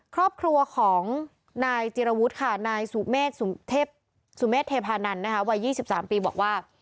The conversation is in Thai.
ครอบครัวของนายจิรวุทธ์ค่ะนายสุเมฆเทพานันวัย๒๓ปีบอกว่า